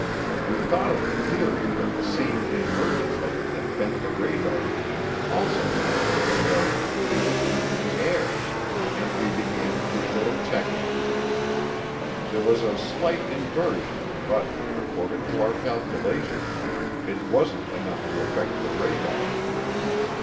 We thought of the theory that the same inversion layer that bent the radar beam also caused the target to appear to be in the air, and we began to do a little checking. There was a slight inversion but, according to our calculations, it wasn't enough to affect the radar.